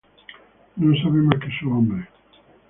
No sabe más que sus hombres.